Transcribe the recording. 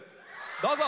どうぞ。